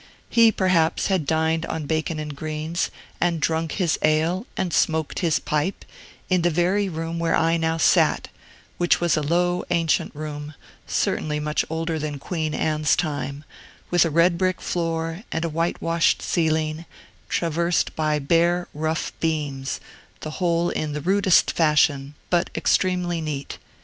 He, perhaps, had dined on bacon and greens, and drunk his ale, and smoked his pipe, in the very room where I now sat, which was a low, ancient room, certainly much older than Queen Anne's time, with a red brick floor, and a white washed ceiling, traversed by bare, rough beams, the whole in the rudest fashion, but extremely neat.